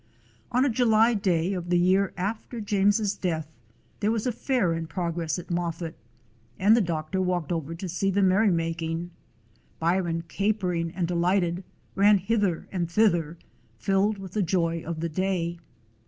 On a July day of the year after James's death there was a fair in progress at Moffat, and the doctor walked over to see the merry making. Byron, capering and delighted, ran hither and thither, filled with the joy of the day.